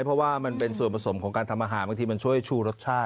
เพราะว่ามันเป็นส่วนผสมของการทำอาหารบางทีมันช่วยชูรสชาติ